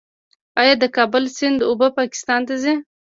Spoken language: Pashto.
آیا د کابل سیند اوبه پاکستان ته ځي؟